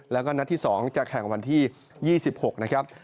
แล้วก็นัดที่๒จะแข่งวันที่๒๖นะครับ